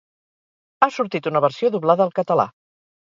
Ha sortit una versió doblada al català.